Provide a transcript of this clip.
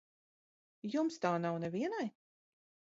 Jums tā nav nevienai?